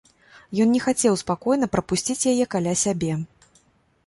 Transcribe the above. Ён не хацеў спакойна прапусціць яе каля сябе.